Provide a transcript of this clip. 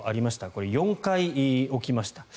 これ、４回起きました。